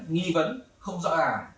nghi vấn không rõ ràng